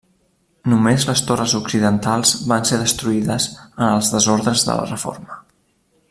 Només les torres occidentals van ser destruïdes en els desordres de la reforma.